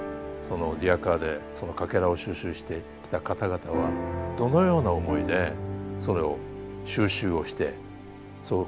リヤカーでそのかけらを収集してきた方々はどのような思いでそれを収集をしてそこに残していったのか。